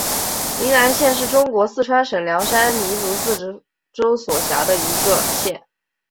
宁南县是中国四川省凉山彝族自治州所辖的一个县。